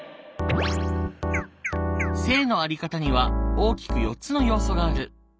性のあり方には大きく４つの要素がある。